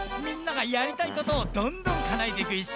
みんながやりたいことをどんどんかなえていく１